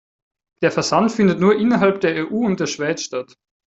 Der Versand findet nur innerhalb der EU und der Schweiz statt.